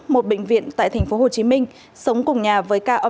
một bệnh viện tại tp hcm sống cùng nhà với ca omicron